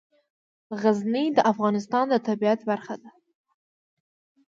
غزني د افغانستان د طبیعت برخه ده.